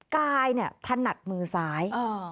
กายธนัดมือซ้าย